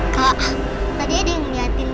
kak tadi dengan nyaris